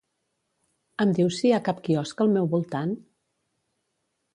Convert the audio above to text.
Em dius si hi ha cap quiosc al meu voltant?